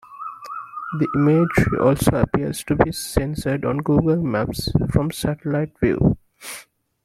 The imagery also appears to be censored on google maps from satellite view.